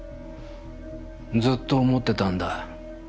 ずっと思ってたんだ